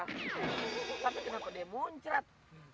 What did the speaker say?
tapi kenapa dia muncrat